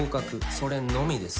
それのみです」